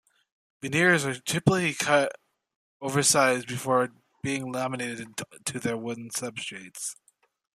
Veneers are typically cut oversize before being laminated to their wooden substrates.